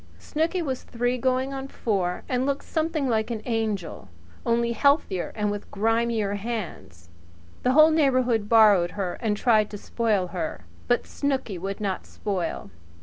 Snooky was three going on four, and looked something like an angel only healthier and with grimier hands. The whole neighbourhood borrowed her and tried to spoil her; but Snooky would not spoil.